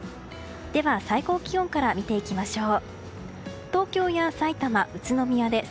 では最高気温から見ていきましょう。